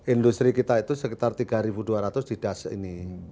industri kita itu sekitar tiga dua ratus di das ini